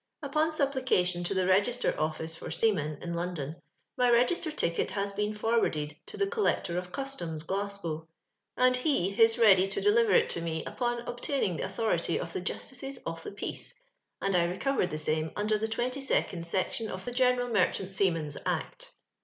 Upon 8ui)plication to the recristcr oflBce for seamen, in London, my register ticket has bci n ftjrwaplcd to the Collector of CHisloms, Glasgow ; and he his ready to deliver it to me upon obtaining tho authority of the Justices o( the Peace, and I recovered tho same under the 22nd section of the Qeneral Merchant Seaman's Act.